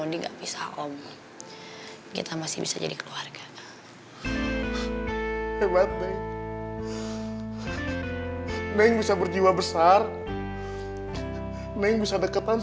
ngobrolnya disini aja di kasur sini jangan disitu ah